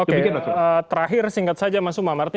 oke terakhir singkat saja mas umam